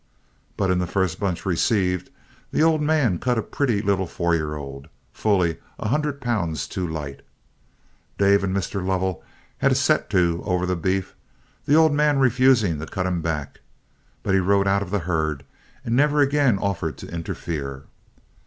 But in the first bunch received, the old man cut a pretty little four year old, fully a hundred pounds too light. Dave and Mr. Lovell had a set to over the beef, the old man refusing to cut him back, but he rode out of the herd and never again offered to interfere.